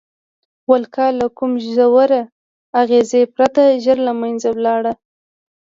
ولکه له کوم ژور اغېز پرته ژر له منځه لاړه.